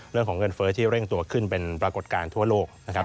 เรื่องของเงินเฟ้อที่เร่งตัวขึ้นเป็นปรากฏการณ์ทั่วโลกนะครับ